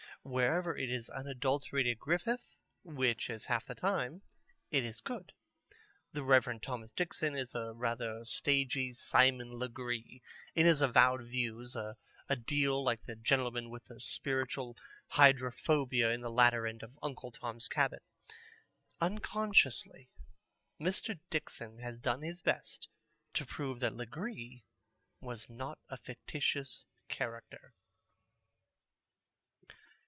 Wherever it is unadulterated Griffith, which is half the time, it is good. The Reverend Thomas Dixon is a rather stagy Simon Legree: in his avowed views a deal like the gentleman with the spiritual hydrophobia in the latter end of Uncle Tom's Cabin. Unconsciously Mr. Dixon has done his best to prove that Legree was not a fictitious character.